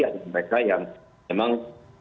ada mereka yang memang